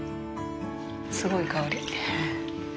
すごい香り。